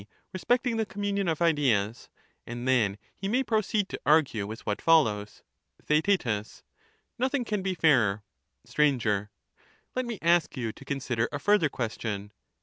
respecting the communion of ideas], and then he may proceed to argue with what follows. Theaet. Nothing can be fairer. Str. Let me ask you to consider a further question.